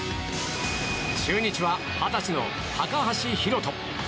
中日は、二十歳の高橋宏斗。